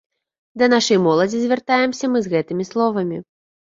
Да нашай моладзі звяртаемся мы з гэтымі словамі.